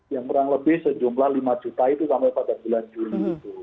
yang kurang lebih sejumlah lima juta itu sampai pada bulan juli itu